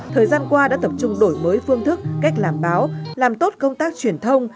thời gian qua đã tập trung đổi mới phương thức cách làm báo làm tốt công tác truyền thông